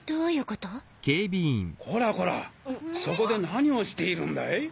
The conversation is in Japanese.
こらこらそこで何をしているんだい？